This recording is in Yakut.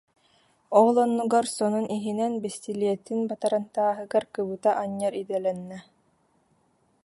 Ол оннугар сонун иһинэн бэстилиэтин батарантааһыгар кыбыта анньар идэлэннэ